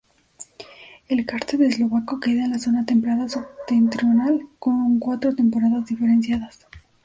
El karst eslovaco queda en la zona templada septentrional con cuatro temporadas diferenciadas.